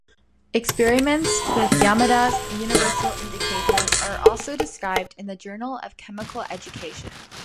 Experiments with Yamada's universal indicator are also described in the "Journal of Chemical Education".